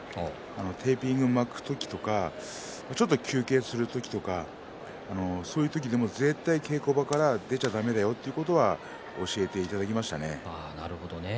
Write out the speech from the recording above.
テーピングを巻く時とかちょっと休憩する時とかそういう時でも絶対に稽古場から出てはだめだよと教えていただきました。